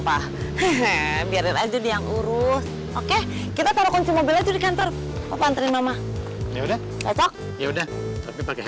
pak biarin aja dia yang urus oke kita taruh kunci mobil aja di kantor papa nganterin mama yaudah